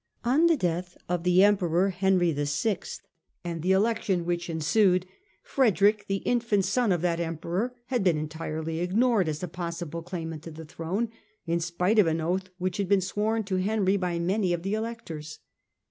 On the death of the Emperor Henry VI, and the election which ensued, the infant son of that Emperor had been entirely ignored as a possible claimant to the throne, in spite of an oath which had been sworn to Henry by many of the Electors.